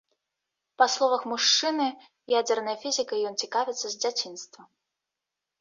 Па словах мужчыны, ядзернай фізікай ён цікавіцца з дзяцінства.